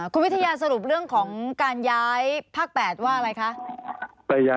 คุณวิทยาสรุปเรื่องของการย้ายภาค๘ว่าอะไรคะ